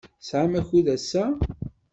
Tesɛam akud ass-a?